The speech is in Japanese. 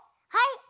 はい。